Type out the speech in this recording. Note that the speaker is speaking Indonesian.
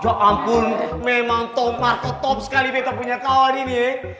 ya ampun memang tuh markah top sekali betah punya kawan ini